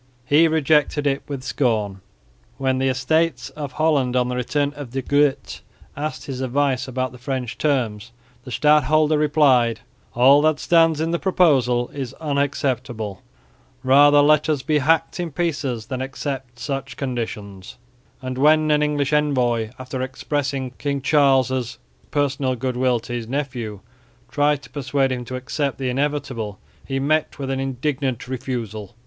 He rejected it with scorn. When the Estates of Holland on the return of De Groot asked his advice about the French terms, the stadholder replied, "all that stands in the proposal is unacceptable; rather let us be hacked in pieces, than accept such conditions"; and when an English envoy, after expressing King Charles' personal goodwill to his nephew, tried to persuade him to accept the inevitable, he met with an indignant refusal.